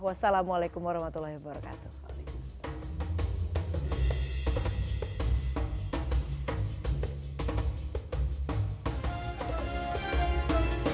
wassalamualaikum warahmatullahi wabarakatuh